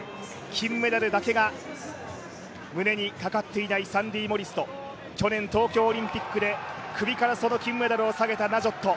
金メダルだけが胸にかかっていないサンディ・モリスと去年、東京オリンピックで首からその金メダルを提げたナジョット。